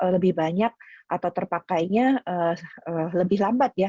lebih banyak atau terpakainya lebih lambat ya